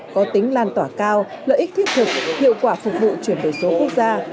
có tính lan tỏa cao lợi ích thiết thực hiệu quả phục vụ chuyển đổi số quốc gia